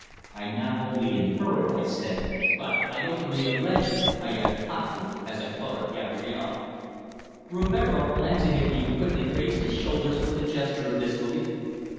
"I not only infer it," I said, "but I openly allege it!" I added hotly, as I thought of Gabrielle. Rivero glancing at me quickly raised his shoulders with a gesture of disbelief.